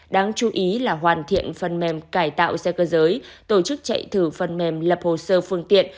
đáng chú ý là hoàn thiện phần mềm cải tạo xe cơ giới tổ chức chạy thử phần mềm lập hồ sơ phương tiện